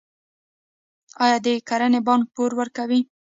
آیا د کرنې بانک پور ورکوي؟